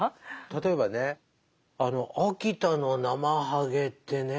例えばね秋田のナマハゲってね